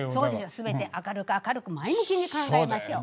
全て明るく明るく前向きに考えましょう。